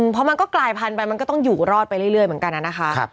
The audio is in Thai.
เพราะมันก็กลายพันธุไปมันก็ต้องอยู่รอดไปเรื่อยเหมือนกันนะคะ